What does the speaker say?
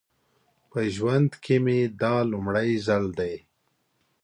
په ژوند کې مې دا لومړی ځل دی.